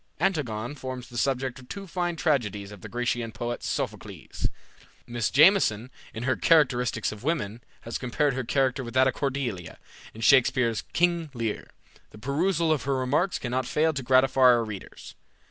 Antigone forms the subject of two fine tragedies of the Grecian poet Sophocles. Mrs. Jameson, in her "Characteristics of Women," has compared her character with that of Cordelia, in Shakspeare's "King Lear." The perusal of her remarks cannot fail to gratify our readers.